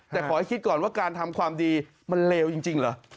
แต่ขอให้คิดก่อนว่าการทำความดีมันเลวจริงเหรอ